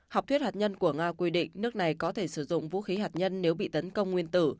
học thuyết hạt nhân của nga quy định nước này có thể sử dụng vũ khí hạt nhân nếu bị tấn công nguyên tử